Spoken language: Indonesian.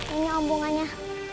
ini om bunganya